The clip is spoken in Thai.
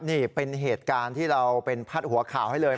นี่เป็นเหตุการณ์ที่เราเป็นพัดหัวข่าวให้เลย